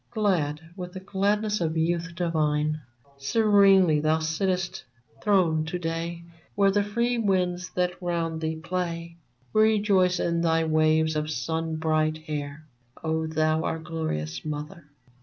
Glad with the gladness of youth divine, Serenely thou sittest throned to day Where the free winds that round thee play Rejoice in thy waves of sun bright hair, O thou, our glorious mother